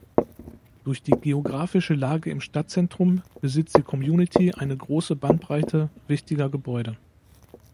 Durch die geographische Lage im Stadtzentrum besitzt die Community eine große Bandbreite wichtiger Gebäude.